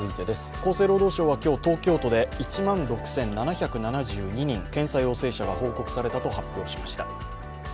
厚生労働省は今日、東京都で１万６７７２人検査陽性者が報告されたと発表しました。